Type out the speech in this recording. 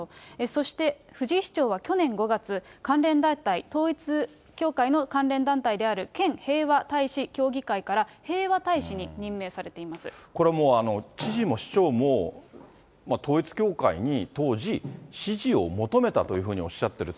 そして藤井市長は去年５月、関連団体、統一教会の関連団体である県平和大使協議会から、平和大使に任命これ、もう知事も市長も、統一教会に当時、支持を求めたというふうにおっしゃってる。